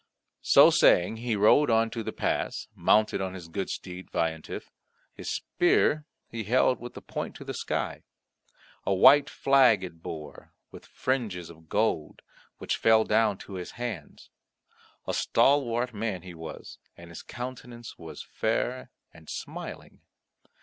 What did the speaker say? So saying, he rode on to the pass, mounted on his good steed Veillantif. His spear he held with the point to the sky; a white flag it bore with fringes of gold which fell down to his hands. A stalwart man was he, and his countenance was fair and smiling.